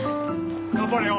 頑張れよ。